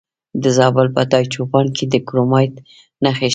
د زابل په دایچوپان کې د کرومایټ نښې شته.